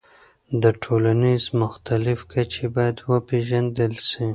د ټولنیز عمل مختلف کچې باید وپیژندل سي.